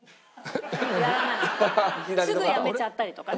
すぐやめちゃったりとかね。